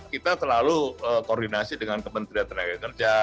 kita selalu koordinasi dengan kementerian tenaga kerja